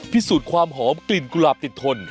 พิสูจน์ความหอมกลิ่นกุหลาบติดทน